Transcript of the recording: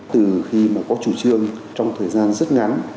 từ khi mà có chủ trương trong thời gian rất ngắn